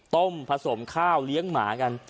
ผสมข้าวเลี้ยงหมากัน